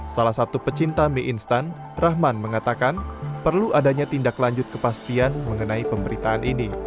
salah satu pecinta mie instan rahman mengatakan perlu adanya tindak lanjut kepastian mengenai pemberitaan ini